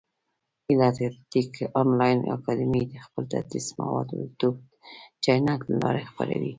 هیله ټېک انلاین اکاډمي خپل تدریسي مواد د يوټیوب چېنل له لاري خپره وي.